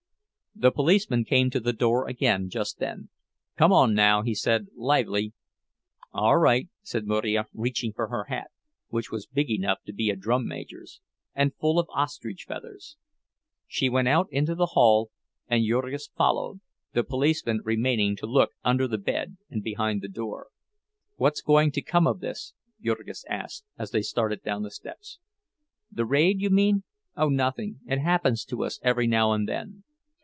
The policeman came to the door again just then. "Come on, now," he said. "Lively!" "All right," said Marija, reaching for her hat, which was big enough to be a drum major's, and full of ostrich feathers. She went out into the hall and Jurgis followed, the policeman remaining to look under the bed and behind the door. "What's going to come of this?" Jurgis asked, as they started down the steps. "The raid, you mean? Oh, nothing—it happens to us every now and then.